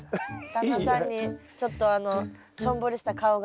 旦那さんにちょっとあのしょんぼりした顔がうかがえますね。